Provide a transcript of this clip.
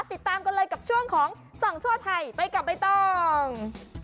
ติดตามกันเลยกับช่วงของส่องทั่วไทยไปกับใบตอง